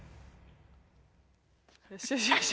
よしよし。